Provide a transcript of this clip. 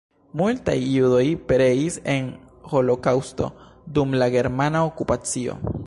Multaj judoj pereis en holokaŭsto dum la germana okupacio.